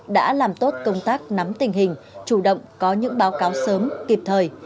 đã làm tốt công tác nắm tình hình chủ động có những báo cáo sớm kịp thời